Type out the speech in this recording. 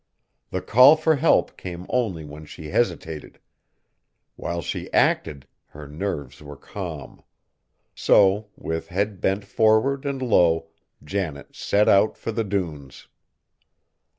The call for help came only when she hesitated; while she acted her nerves were calm. So, with head bent forward and low, Janet set out for the dunes.